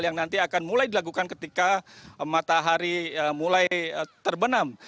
yang nanti akan mulai dilakukan ketika matahari mulai terbenam